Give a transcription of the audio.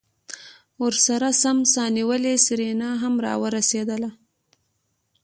ورسرہ سم سا نيولې سېرېنا هم راورسېدله.